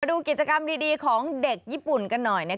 ดูกิจกรรมดีของเด็กญี่ปุ่นกันหน่อย